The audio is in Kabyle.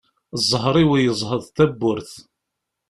Ẓẓher-iw yeẓheḍ tabburt.